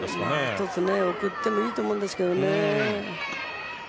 １つ送ってもいいと思うんですけどね。